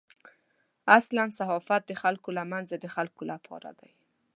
اصل صحافت د خلکو له منځه د خلکو لپاره دی.